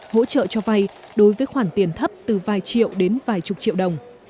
hỗ trợ cho vay đối với khoản tiền thấp từ vài triệu đến vài chục triệu đồng